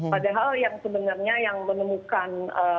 padahal yang sebenarnya yang menemukan